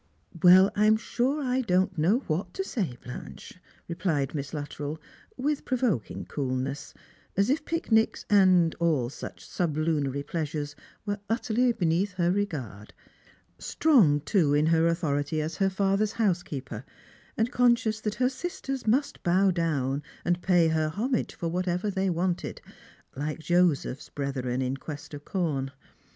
"Well, I'm sure I don't know what to say, Blanche," T?plioi Miss Luttrell with provoking coolness, as if picnics and f ifsuch sublunary pleasures were utterly beneath her regard; strong, too, in her authority as her father's housekeeper, and conscious that her sisters must bow down and pay her homage for whatever they wanted, like Joseph's brethren in quest of corn.